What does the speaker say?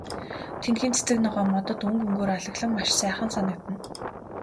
Тэндхийн цэцэг ногоо, модод өнгө өнгөөр алаглан маш сайхан санагдана.